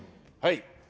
はい」